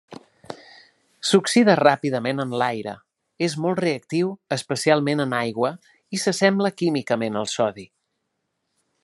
S'oxida ràpidament en l'aire, és molt reactiu, especialment en aigua, i s'assembla químicament al sodi.